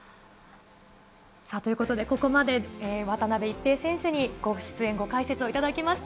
ということで、ここまで渡辺一平選手に出演、ご解説をいただきました。